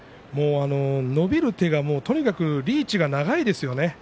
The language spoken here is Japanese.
伸びる手がとにかくリーチが長いですよね。